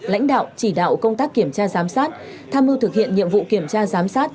lãnh đạo chỉ đạo công tác kiểm tra giám sát tham mưu thực hiện nhiệm vụ kiểm tra giám sát